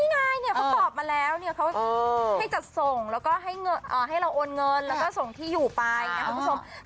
ง่ายเนี่ยเขาตอบมาแล้วเนี่ยเขาให้จัดส่งแล้วก็ให้เราโอนเงินแล้วก็ส่งที่อยู่ไปนะคุณผู้ชม